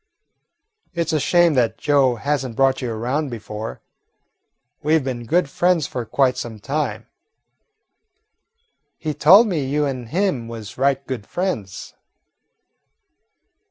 "It 's a shame that Joe has n't brought you around before. We 've been good friends for quite some time." "He told me you an' him was right good friends."